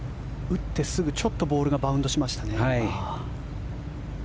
打ってすぐボールがバウンドしましたね。